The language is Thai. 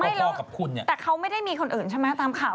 ไม่แล้วแต่เขาไม่ได้มีคนอื่นใช่ไหมตามข่าว